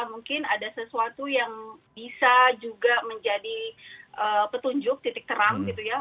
mungkin ada sesuatu yang bisa juga menjadi petunjuk titik terang gitu ya